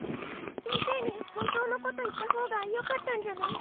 先生に本当のこと言った方がよかったんじゃない？